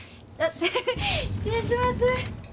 失礼します。